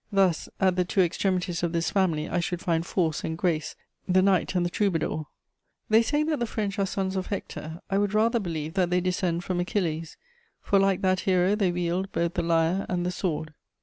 Thus, at the two extremities of this family, I should find force and grace, the knight and the troubadour. They say that the French are sons of Hector: I would rather believe that they descend from Achilles, for like that hero they wield both the lyre and the sword.